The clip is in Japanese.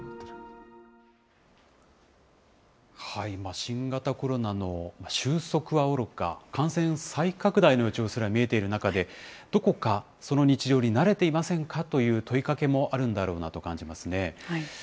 新型コロナの収束はおろか、感染再拡大の予兆すら見えている中で、どこかその日常に慣れていませんか？という問いかけもあるんだろうなと感じますね。